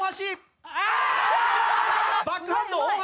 バックハンド大橋。